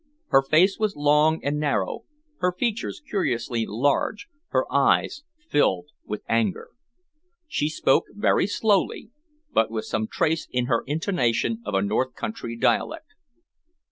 Her face was long and narrow, her features curiously large, her eyes filled with anger. She spoke very slowly, but with some trace in her intonation of a north country dialect.